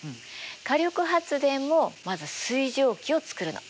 火力発電もまず水蒸気をつくるの。